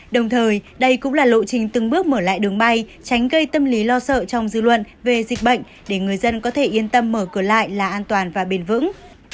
đồng thời đây cũng là lộ trình từng bước mở lại đường bay tránh gây tâm lý lo sợ trong dư luận về dịch bệnh để người dân có thể yên tâm mở cửa lại là an toàn và bền vững